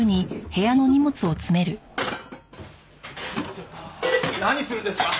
ちょっと何するんですか！